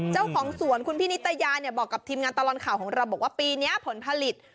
เจ้าของสวนคุณพี่นิตยาบอกกับทีมงานตลอดข่าวของเราบอกว่าปีนี้ผลผลิต